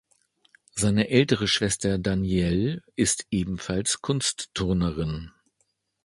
Seine ältere Schwester Daniele ist ebenfalls Kunstturnerin.